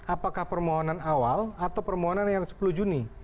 apakah permohonan awal atau permohonan yang sepuluh juni